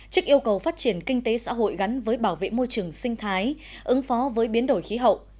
trước yêu cầu phát triển kinh tế xã hội gắn với bảo vệ môi trường sinh thái ứng phó với biến đổi khí hậu